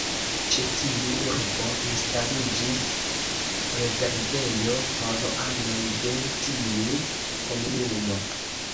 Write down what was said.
Ĉe tiu urbo instaliĝis rezervejo por anoj de tiu komunumo.